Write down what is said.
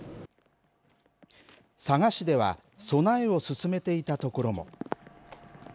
佐賀市では、備えを進めていた所も。